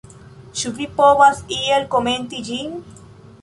Ĉu vi povas iel komenti ĝin?